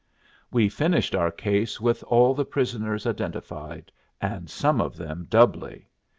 We finished our case with all the prisoners identified, and some of them doubly.